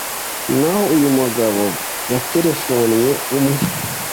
n’aho uyu mugabo yaterefonnye umwe !